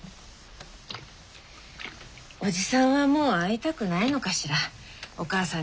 おじさんはもう会いたくないのかしらお母さんには。